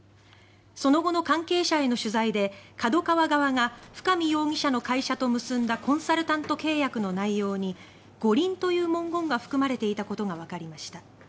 その後の関係者への取材でＫＡＤＯＫＡＷＡ側が深見容疑者の会社と結んだコンサルタント契約の内容に五輪という文言が含まれていたことがわかりました。